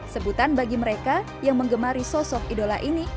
sebutan bagi mereka yang mengemari sosok idola ini